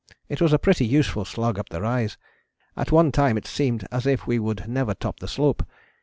It was a pretty useful slog up the rise, at one time it seemed as if we would never top the slope.